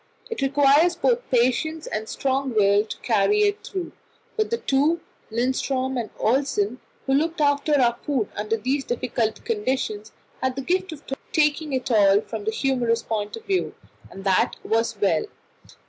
It requires both patience and strong will to carry it through, but the two Lindström and Olsen who looked after our food under these difficult conditions, had the gift of taking it all from the humorous point of view, and that was well.